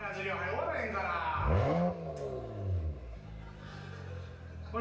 終わらへんかなおい